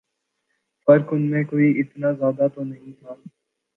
فرق ان میں کوئی اتنا زیادہ تو نہیں تھا